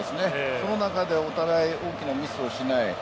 その中でお互い大きなミスをしない。